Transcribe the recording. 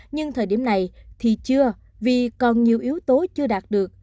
nhưng thời điểm này thì chưa vì còn nhiều yếu tố chưa đạt được